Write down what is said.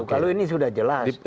kalau ini sudah jelas